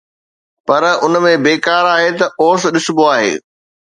پر اُن ۾ بيڪار آهي ته اوس ڏسبو آهي